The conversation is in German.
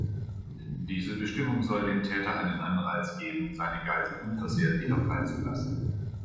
Diese Bestimmung soll dem Täter einen Anreiz geben, seine Geisel unversehrt wieder freizulassen.